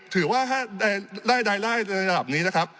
ถือว่าถ้าได้รายได้ในระดับนี้นะครับ